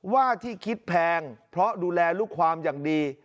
ว่าที่คิดแพงเพราะดูแลลูกความอย่างดี